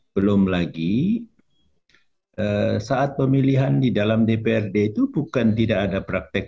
belum lagi saat pemilihan di dalam dprd itu bukan tidak ada praktek